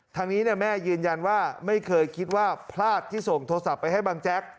ทางนี้แม่ยืนยันว่าไม่เคยคิดว่าพลาดที่ส่งโทรศัพท์ไปให้บังแจ๊ก